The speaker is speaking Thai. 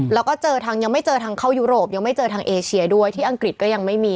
แล้วก็เจอทางยังไม่เจอทางเข้ายุโรปยังไม่เจอทางเอเชียด้วยที่อังกฤษก็ยังไม่มี